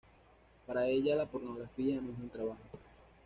Para ella, "la pornografía no es un trabajo".